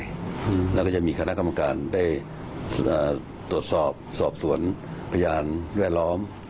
เราก็จะมีคณะกรรมการได้ตดสอบสวนพยาบาลวิทยาล้อม